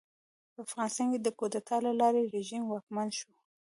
په افغانستان کې د کودتا له لارې رژیم واکمن شو.